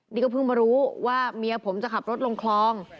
นี่ก็เพิ่งมารู้ว่าเมียผมจะขับรถลงคลอง